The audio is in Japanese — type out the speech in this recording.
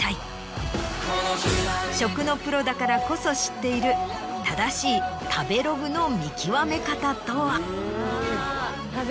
食のプロだからこそ知っている正しい食べログの見極め方とは？